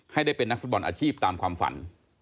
ให้ได้เป็นนักฟุตบอลอาชีพตามความฝัน